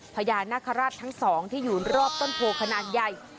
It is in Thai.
พญานาคาราชทั้งสองที่อยู่รอบต้นโพขนาดใหญ่